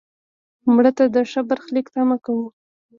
مړه ته د ښه برخلیک تمه کوو